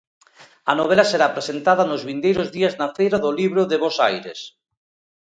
A novela será presentada nos vindeiros días na Feira do Libro de Bos Aires.